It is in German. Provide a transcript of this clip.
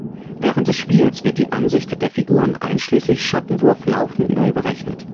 Während des Spiels wird die Ansicht der Figuren, einschließlich Schattenwurf, laufend neu berechnet.